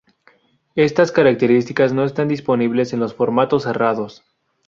Estas características no están disponibles en los formatos cerrados.